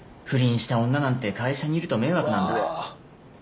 不倫した女なんて会社にいると迷惑なんだ。